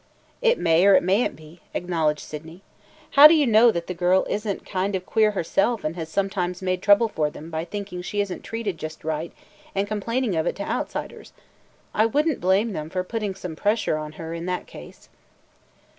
"It may or it may n't be," acknowledged Sydney. "How do you know that the girl is n't kind of queer herself and has sometimes made trouble for them by thinking she is n't treated just right and complaining of it to outsiders! I would n't blame them for putting some pressure on her in that case."